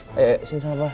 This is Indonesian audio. eh eh sini sama bapak